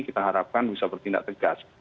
kita harapkan bisa bertindak tegas